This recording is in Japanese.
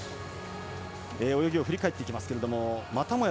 泳ぎを振り返っていきますがまたもや